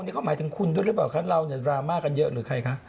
นี่เขาหมายถึงคุณด้วยหรือเปล่าคะเราเนี่ยดราม่ากันเยอะหรือใครคะ